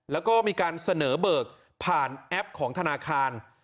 แล้วก็มีการเสนอเบิกผ่านแอปของธนาคาร